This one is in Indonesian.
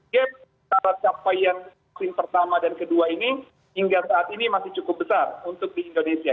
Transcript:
gap capaian vaksin pertama dan kedua ini hingga saat ini masih cukup besar untuk di indonesia